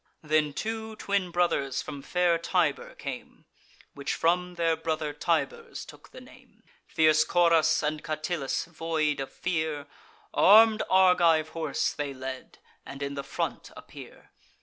Then two twin brothers from fair Tibur came, (Which from their brother Tiburs took the name,) Fierce Coras and Catillus, void of fear: Arm'd Argive horse they led, and in the front appear.